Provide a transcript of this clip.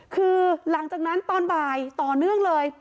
คือหลังจากนั้นตอนบ่ายต่อเนื่องเลย